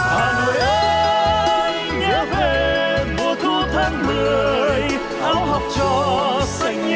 hà nội ơi nhớ về mùa thu tháng mười áo học cho xanh những hàng mê